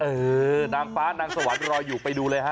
เออนางฟ้านางสวรรค์รออยู่ไปดูเลยฮะ